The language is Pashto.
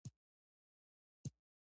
ښځې ته منسوب صفتونه او د ښځې اخىستي خوىونه